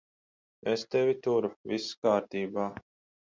Es tevi turu. Viss kārtībā.